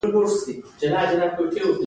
فرد به د هېرېدنې په کنده کې پاتې شي.